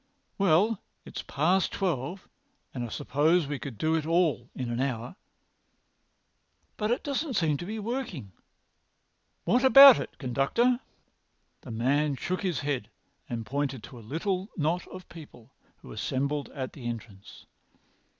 "Well, it's past twelve, but I suppose we could do it all in an hour. But it doesn't seem to be working. What about it, conductor?" The man shook his head and pointed to a little knot of people who were assembled at the entrance.